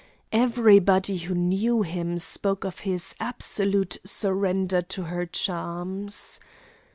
Everybody who knew him spoke of his absolute surrender to her charms.